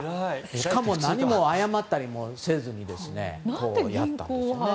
しかも何も謝ったりもせずにやったんですね。